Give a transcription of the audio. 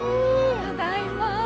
ただいま！